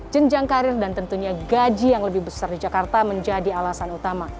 jenjang karir dan tentunya gaji yang lebih besar di jakarta menjadi alasan utama